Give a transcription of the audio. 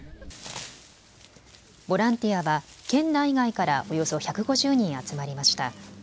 ボランティアは県内外からおよそ１５０人集まりました。